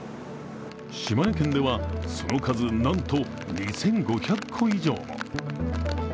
島根県では、その数なんと２５００個以上も。